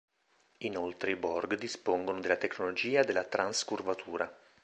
Inoltre i Borg dispongono della tecnologia della trans curvatura.